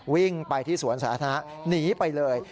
วิ่งไปที่สวนสาธารณะหนีไปเลย